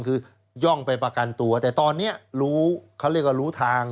คือย่องไปประกันตัวแต่ตอนนี้รู้เขาเรียกว่ารู้ทาง